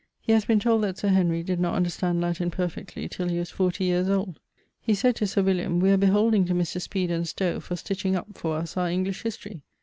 He haz been told that Sir Henry did not understand Latin perfectly till he was fourty years old. He said to Sir William, 'We are beholding to Mr. Speed and Stowe for stitching up for us our English History.'